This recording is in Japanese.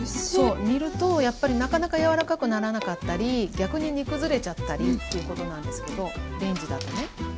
そう煮るとやっぱりなかなか柔らかくならなかったり逆に煮崩れちゃったりということなんですけどレンジだとね。